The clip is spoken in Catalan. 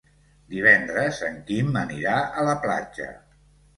Divendres en Quim anirà a la platja.